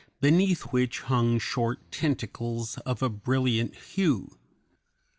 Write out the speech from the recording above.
27), beneath which hung short tentacles of a brilliant hue.